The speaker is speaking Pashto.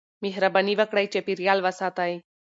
مهرباني وکړئ چاپېريال وساتئ.